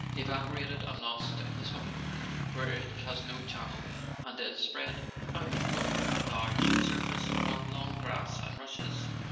evaporated and lost in the swamp, where it has no channel, and is spread out over a large surface among long grass and rushes.